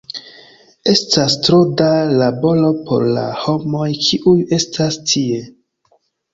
Estas tro da laboro por la homoj kiuj estas tie.